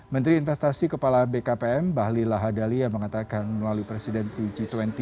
menteri investasi kepala bkpm bahlila hadali yang mengatakan melalui presidensi g dua puluh